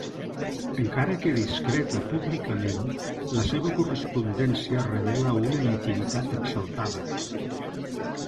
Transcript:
Encara que discreta públicament, la seva correspondència revela una intimitat exaltada.